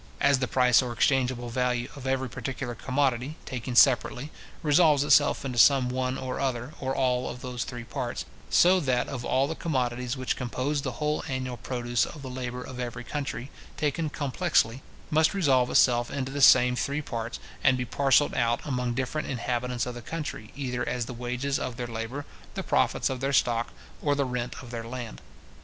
As the price or exchangeable value of every particular commodity, taken separately, resolves itself into some one or other, or all of those three parts; so that of all the commodities which compose the whole annual produce of the labour of every country, taken complexly, must resolve itself into the same three parts, and be parcelled out among different inhabitants of the country, either as the wages of their labour, the profits of their stock, or the rent of their land.